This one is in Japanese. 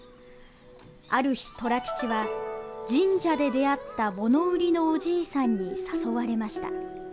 ある日、寅吉は神社で出会った物売りのおじいさんに誘われました。